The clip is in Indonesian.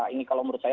ini kalau menurut saya